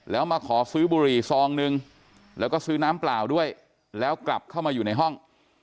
แล้วมาขอซื้อบุหรี่ซองนึงแล้วก็ซื้อน้ำเปล่าด้วยแล้วกลับเข้ามาอยู่ในห้อง